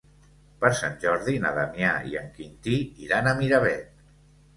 Per Sant Jordi na Damià i en Quintí iran a Miravet.